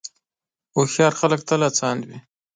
هوښیار خلک تل هڅاند وي.